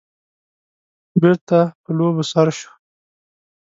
بېرته په لوبو سر شو.